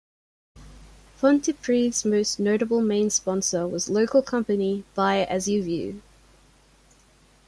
Pontypridd's most notable main sponsor was local company, Buy as you View.